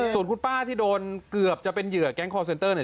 ส่วนคุณป้าที่โดนเกือบจะเป็นเหยื่อแก๊งคอร์เซ็นเตอร์เนี่ย